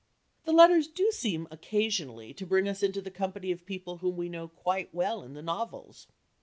The letters do seem occasionally to bring us into the company of people whom we know quite well in the novels.